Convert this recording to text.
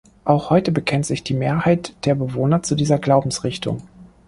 Auch heute bekennt sich die Mehrheit der Bewohner zu dieser Glaubensrichtung.